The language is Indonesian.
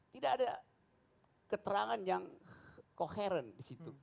tidak ada keterangan yang koheren di situ